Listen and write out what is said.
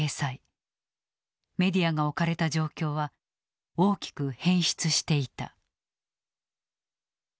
メディアが置かれた状況は大きく変質していた。